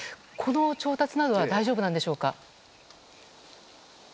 この調達などは大丈夫なんでしょうか？